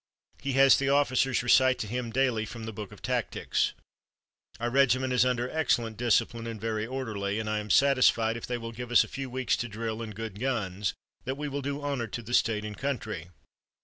He has the officers recite to him daily from the Book of Tactics. Our regiment is under excellent discipline and very orderly, and I am satisfied if they will give us a few weeks to drill and good guns, that we will do honor to the State and country."